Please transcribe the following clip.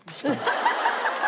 ハハハハ！